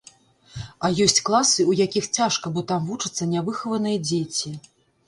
А ёсць класы, у якіх цяжка, бо там вучацца нявыхаваныя дзеці.